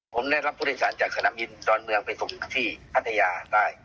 ผมได้รับพฤษศาสตร์จากสนามยินทร์ดอนเมืองไปส่งที่พัทยาตาย